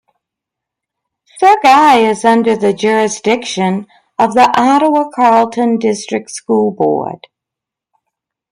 Sir Guy is under the jurisdiction of the Ottawa Carleton District School Board.